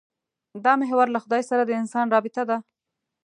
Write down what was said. دا محور له خدای سره د انسان رابطه ده.